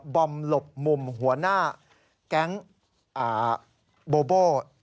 บอมหลบมุมหัวหน้าแก๊งโบโบ